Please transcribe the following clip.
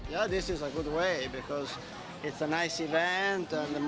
ya ini adalah cara yang baik karena ini adalah acara yang baik